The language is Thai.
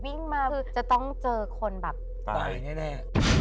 วิ่งมาคือจะต้องเจอคนแบบตายแน่